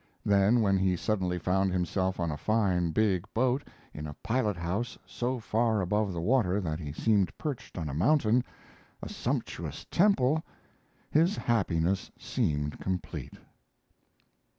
Then, when he suddenly found himself on a fine big boat, in a pilot house so far above the water that he seemed perched on a mountain a "sumptuous temple" his happiness seemed complete.